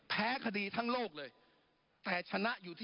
ปรับไปเท่าไหร่ทราบไหมครับ